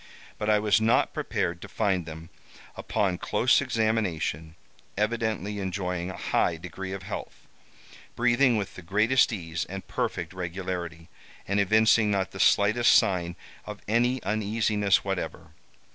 But I was not prepared to find them, upon close examination, evidently enjoying a high degree of health, breathing with the greatest ease and perfect regularity, and evincing not the slightest sign of any uneasiness whatever.